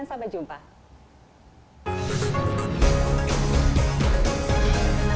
salam sehat untuk anda semua